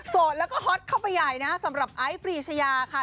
แล้วก็ฮอตเข้าไปใหญ่นะสำหรับไอซ์ปรีชยาค่ะ